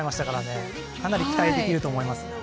かなり期待できると思います。